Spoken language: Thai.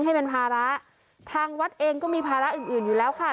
ให้เป็นภาระทางวัดเองก็มีภาระอื่นอื่นอยู่แล้วค่ะ